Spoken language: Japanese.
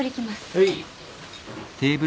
はい。